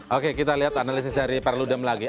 oke kita lihat analisis dari pak ludem lagi